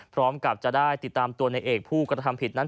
พร้อมกับจะได้ติดตามตัวในเอกผู้กระทำผิดนั้น